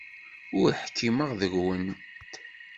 Ur ḥkimeɣ deg-went.